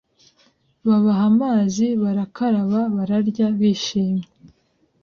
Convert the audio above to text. Babaha amazi, barakaraba bararya bishimye .